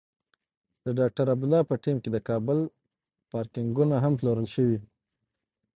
د ډاکټر عبدالله په ټیم کې د کابل پارکېنګونه هم پلورل شوي.